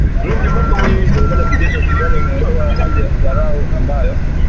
Serikali ya kijeshi ya Sudan imeondoa hali ya dharura ambayo